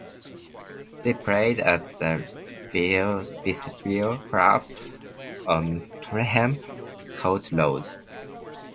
They played at the Vesuvio club on Tottenham Court Road.